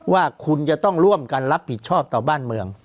ว่าคุณจะต้องร่วมกันรับผิดชอบต่อบ้านเมือง